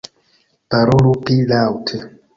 Parolu pli laŭte.